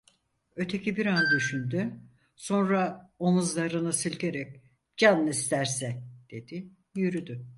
Öteki bir an düşündü, sonra omuzlarını silkerek: "Canın isterse!" dedi, yürüdü.